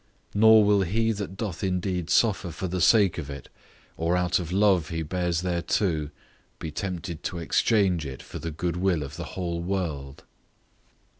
Nor will he that doth indeed suffer for the sake of it, or out of love he bears thereto, be tempted to exchange it for the good will of the whole world.